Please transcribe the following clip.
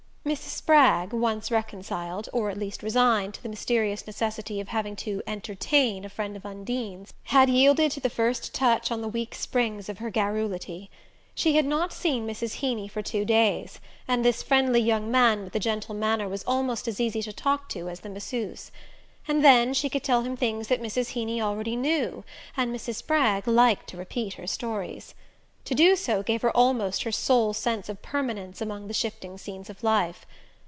Mrs. Spragg, once reconciled or at least resigned to the mysterious necessity of having to "entertain" a friend of Undine's, had yielded to the first touch on the weak springs of her garrulity. She had not seen Mrs. Heeny for two days, and this friendly young man with the gentle manner was almost as easy to talk to as the masseuse. And then she could tell him things that Mrs. Heeny already knew, and Mrs. Spragg liked to repeat her stories. To do so gave her almost her sole sense of permanence among the shifting scenes of life.